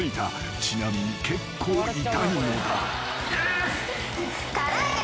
［ちなみに結構痛いのだ］